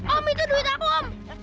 om itu duit aku om